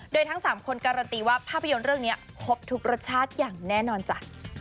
โดยทั้ง๓คนการันตีว่าภาพยนตร์เรื่องนี้ครบทุกรสชาติอย่างแน่นอนจ้ะ